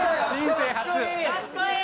かっこいい！